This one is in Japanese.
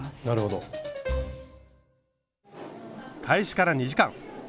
開始から２時間。